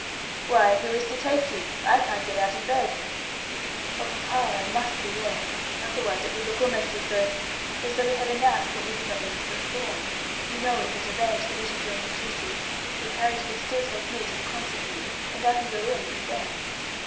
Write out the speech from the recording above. "Why, who is to take you. I can't get out of bed." "Oh, papa, I must be there. Otherwise it would like almost as though as though we had announced what we did not mean to perform. You know it was arranged that we should join the Ducies; the carriage can still take me to the concert room, and I can go in with them."